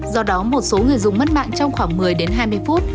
do đó một số người dùng mất mạng trong khoảng một mươi đến hai mươi phút